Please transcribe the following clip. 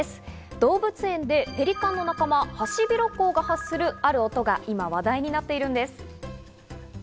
動物園でペリカンの仲間、ハシビロコウが発するある音が今、話題になっているんです。